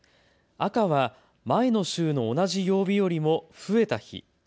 赤は前の週の同じ曜日よりも増えた日。